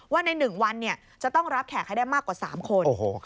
ว่าใน๑วันจะต้องรับแขกให้ได้มากกว่า๓คน